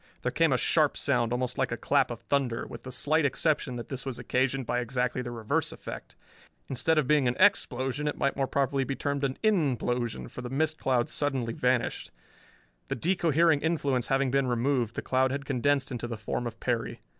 There came a sharp sound almost like a clap of thunder, with the slight exception that this was occasioned by exactly the reverse effect. Instead of being an _ex_plosion it might more properly be termed an _in_plosion, for the mist cloud suddenly vanished. The de cohering influence having been removed, the cloud had condensed into the form of Perry.